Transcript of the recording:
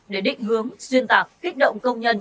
để định hướng xuyên tạc kích động công nhân